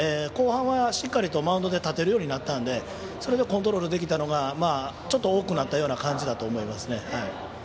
後半は、しっかりマウンド立てるようになったのでそれがコントロールできたのが多くなったような感じだと思います。